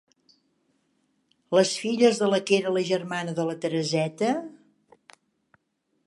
Les filles de la que era la germana de la Tereseta...